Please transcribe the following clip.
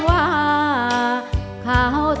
จูบลูกหลายเท่าโยม